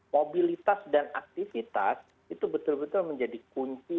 mobilitas dan aktivitas itu betul betul menjadi kunci